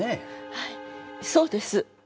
はいそうです。